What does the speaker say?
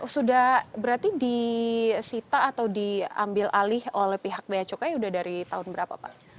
jadi barang yang tidak dikesita atau diambil alih oleh pihak beacukai sudah dari tahun berapa pak